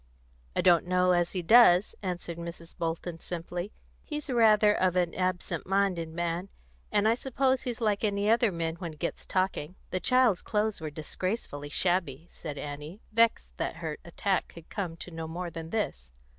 "I don't know as he does," answered Mrs. Bolton simply. "He's rather of an absent minded man, and I suppose he's like other men when he gets talking." "The child's clothes were disgracefully shabby!" said Annie, vexed that her attack could come to no more than this.